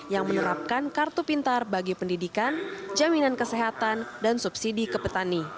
yang menerapkan kartu pintar bagi pendidikan jaminan kesehatan dan subsidi ke petani